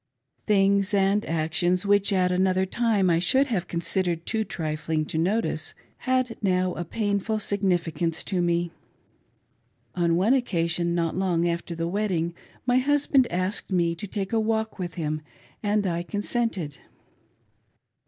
Things and actions, which at another time I should have considered too trifling to notice, had now a painful significance to me. On one occasion, not long after the wedding, my hus band asked me to take a walk with him, and I consented.